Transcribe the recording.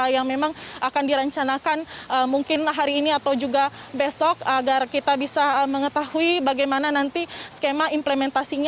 yang memang akan direncanakan mungkin hari ini atau juga besok agar kita bisa mengetahui bagaimana nanti skema implementasinya